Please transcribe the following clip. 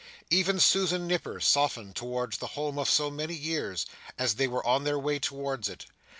Even Susan Nipper softened towards the home of so many years, as they were on their way towards it.